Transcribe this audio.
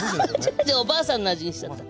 じゃあおばあさんの味にしちゃった。